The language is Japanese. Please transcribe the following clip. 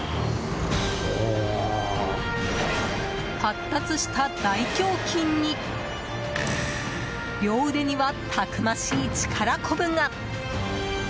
発達した大胸筋に両腕には、たくましい力こぶが。